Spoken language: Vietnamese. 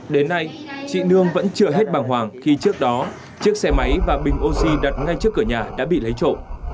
đến nay chị nương vẫn chưa hết bằng hoàng khi trước đó chiếc xe máy và bình oxy đặt ngay trước cửa nhà đã bị lấy trộm